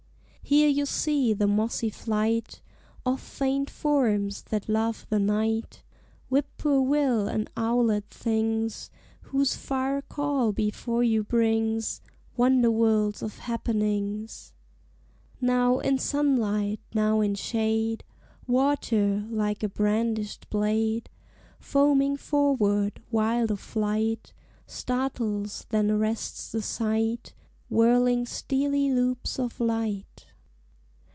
Here you see the mossy flight Of faint forms that love the night Whippoorwill and owlet things, Whose far call before you brings Wonder worlds of happenings. Now in sunlight, now in shade, Water, like a brandished blade, Foaming forward, wild of flight, Startles then arrests the sight, Whirling steely loops of light.